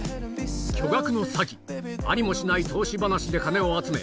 巨額の詐欺！ありもしない投資話で金を集め